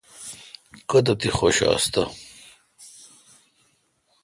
کوتھ تی حوشہ آستہ